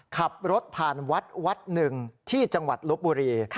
ขับรถผ่านวัดวัดหนึ่งที่จังหวัดลบบุรี